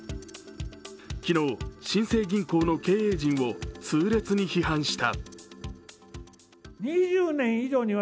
昨日、新生銀行の経営陣を痛烈に批判した。